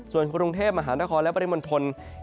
ส่วนกรุงเทพมหานครและปริมณฑล